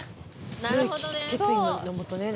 なるほどね。